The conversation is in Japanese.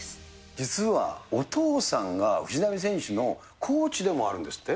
実は、お父さんが藤波選手のコーチでもあるんですって？